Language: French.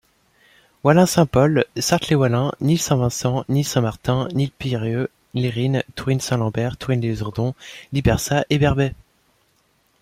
Walhain-Saint-Paul, Sart-lez-Walhain, Nil-Saint-Vincent, Nil-Saint-Martin, Nil-Pierreux, Lérinnes, Tourinnes-Saint-Lambert, Tourinnes les Ourdons, Libersart et Perbais.